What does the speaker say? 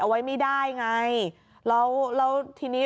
เอาไว้ไม่ได้ไง